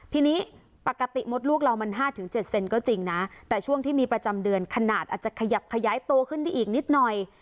ทีนี้ปกติมดลูกเรามัน๕๗เซนก็จริงนะแต่ช่วงที่มีประจำเดือนขนาดอาจจะขยับขยายตัวขึ้นได้อีกนิดหน่อย